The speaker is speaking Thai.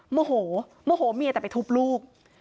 โมโหโมโหเมียแต่ไปทุบลูก